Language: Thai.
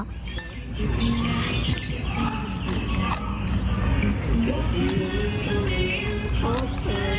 ขอบคุณครับ